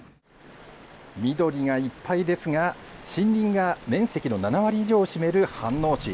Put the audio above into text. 緑がいっぱいですが、森林が面積の７割以上を占める飯能市。